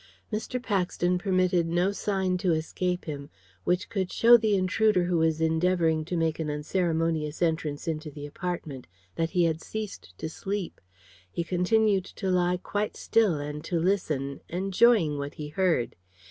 Mr. Paxton permitted no sign to escape him which could show the intruder who was endeavouring to make an unceremonious entrance into the apartment that he had ceased to sleep. He continued to lie quite still and to listen, enjoying what he heard.